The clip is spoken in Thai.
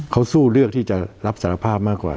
เขาสู้เลือกที่จะรับสารภาพมากกว่า